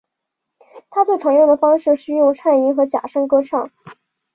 他最常用的方式是运用颤音和假声唱歌。